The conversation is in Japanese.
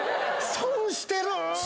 「損してる」